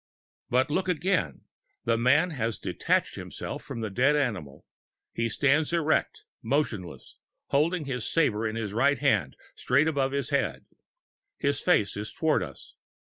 But look again the man has detached himself from the dead animal. He stands erect, motionless, holding his sabre in his right hand straight above his head. His face is toward us.